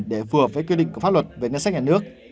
để phù hợp với quy định của pháp luật về ngân sách nhà nước